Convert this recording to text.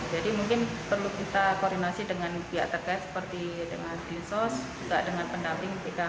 jadi mungkin perlu kita koordinasi dengan pihak terkait seperti dengan dinas sosial juga dengan pendamping pkh dan psb